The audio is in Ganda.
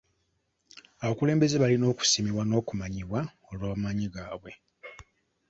Abakulembeze balina okusiimibwa n'okumanyibwa olw'amaanyi gaabwe.